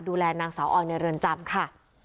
ดูแลนางสาวออยในเรือนจำค่ะ